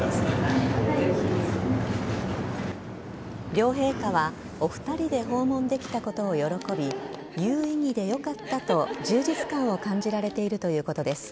両陛下はお二人で訪問できたことを喜び有意義でよかったと充実感を感じられているということです。